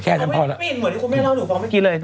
กินเหมือนที่คุณแม่เล่าหนูฟังไม่ได้